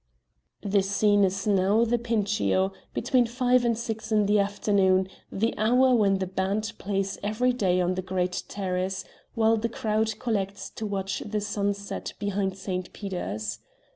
The scene is now the Pincio between five and six in the afternoon, the hour when the band plays every day on the great terrace, while the crowd collects to watch the sun set behind St. Peter's.